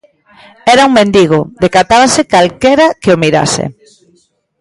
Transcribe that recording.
Era un mendigo: decatábase calquera que o mirase.